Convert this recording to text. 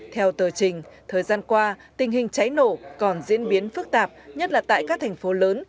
theo tờ trình thời gian qua tình hình cháy nổ còn diễn biến phức tạp nhất là tại các thành phố lớn